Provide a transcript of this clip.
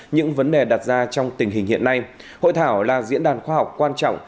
những vấn đề đặt ra trong tình hình hiện nay hội thảo là diễn đàn khoa học quan trọng